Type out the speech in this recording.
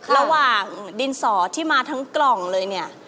ระหว่างดินสอที่มาทั้งกล่องเลยเนี่ย